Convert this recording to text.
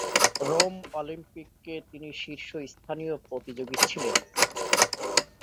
Rome অলিম্পিকে তিনি শীর্ষস্থানীয় প্রতিযোগী ছিলেন।